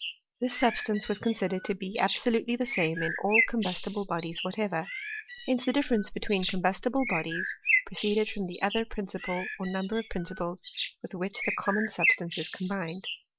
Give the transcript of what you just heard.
This substance waa considered to be absolutely the same in all combus tible bodies whatever ; hence the diflFerence between combustible bodies proceeded from the other principle or number of principles with which this common sub stance is combined.